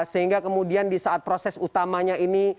sehingga kemudian di saat proses utamanya ini